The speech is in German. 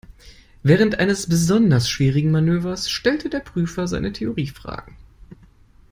Während eines besonders schwierigen Manövers stellte der Prüfer seine Theorie-Fragen.